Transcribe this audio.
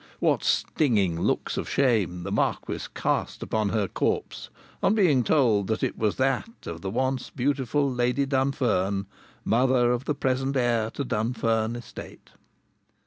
What stinging looks of shame the Marquis cast upon her corpse on being told that it was that of the once beautiful Lady Dunfern mother of the present heir to Dunfern estate!